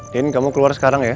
den kamu keluar sekarang ya